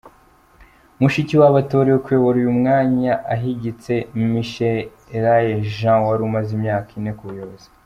Mushikiwabo atorewe kuyobora uyu mwanya ahigitse Michaëlle Jean wari umaze imyaka ine ku buyobozi.